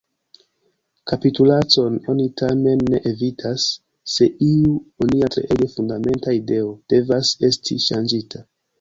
Kapitulacon oni tamen ne evitas, se iu onia treege fundamenta ideo devas esti ŝanĝita.